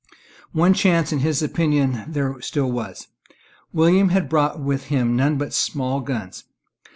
One chance, in his opinion, there still was. William had brought with him none but small guns.